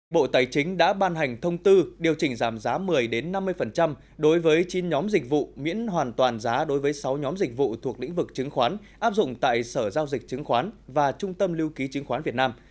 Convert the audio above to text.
bộ tài chính đã ban hành thông tư điều chỉnh giảm giá một mươi năm mươi đối với chín nhóm dịch vụ miễn hoàn toàn giá đối với sáu nhóm dịch vụ thuộc lĩnh vực chứng khoán áp dụng tại sở giao dịch chứng khoán và trung tâm lưu ký chứng khoán việt nam